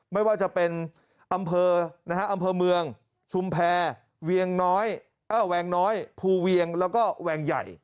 ไม่ว่าจะเป็นอำเภอเมืองชุมแพรแหวงน้อยภูเวียงแล้วก็แหวงใหญ่